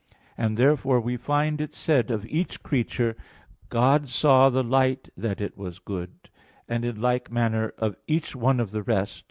And therefore we find it said of each creature, "God saw the light that it was good" (Gen. 1:4); and in like manner of each one of the rest.